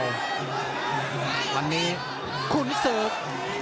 วันนี้คุณศึก